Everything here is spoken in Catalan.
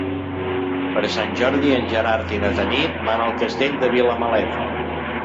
Per Sant Jordi en Gerard i na Tanit van al Castell de Vilamalefa.